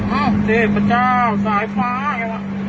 อ้าวอ้าวเจ็บพระเจ้าสายฟ้าแบบนั้น